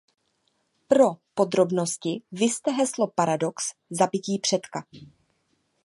Pro podrobnosti vizte heslo paradox zabití předka.